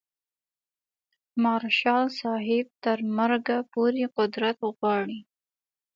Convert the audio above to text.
مارشال صاحب تر مرګه پورې قدرت غواړي.